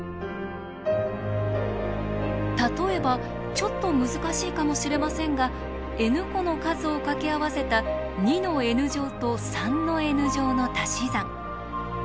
例えばちょっと難しいかもしれませんがｎ個の数をかけ合わせた２のｎ乗と３のｎ乗のたし算。